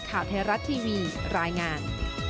ข่าวเทราะท์ทีวีรายงาน